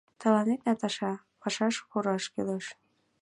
— Тыланет, Наташа, пашаш пураш кӱлеш.